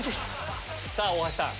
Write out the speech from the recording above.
さぁ大橋さん